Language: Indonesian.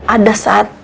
ada saatnya bu